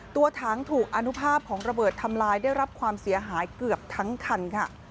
ตัวถังถูกอนุภาพของระเบิดทำลายได้รับความเสียหายเกือบทั้งคันค่ะ